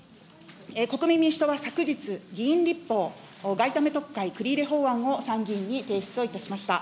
国民民主党は昨日、議員立法、外為特会繰り入れ法案を参議院に提出をいたしました。